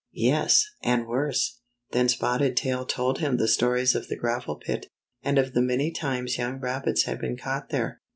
"Yes, and worse." Then Spotted Tail told him the stories of the gravel pit, and of the many times young rabbits had been caught there.